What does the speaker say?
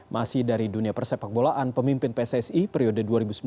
masih dari dunia persepak bolaan pemimpin pssi periode dua ribu sembilan belas dua ribu dua puluh